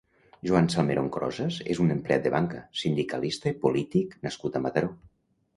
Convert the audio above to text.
Joan Salmeron Crosas és un empleat de banca, sindicalista i polític nascut a Mataró.